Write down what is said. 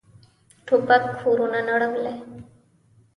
توپک کورونه نړولي.